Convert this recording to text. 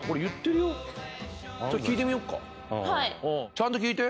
ちゃんと聴いて。